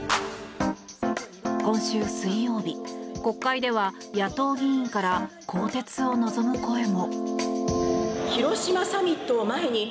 今週水曜日、国会では野党議員から更迭を望む声も。